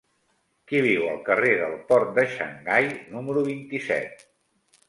Qui viu al carrer del Port de Xangai número vint-i-set?